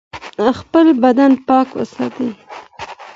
خپل بدن پاک وساتئ.